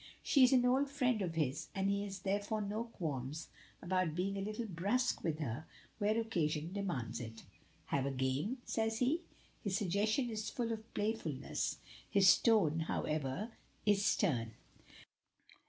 She is an old friend of his, and he has therefore no qualms about being a little brusque with her where occasion demands it. "Have a game?" says he. His suggestion is full of playfulness, his tone, however, is stern.